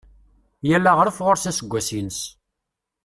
Yal aɣref ɣur-s aseggas-ines.